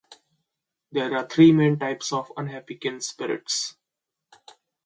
There are three main types of unhappy kin spirits.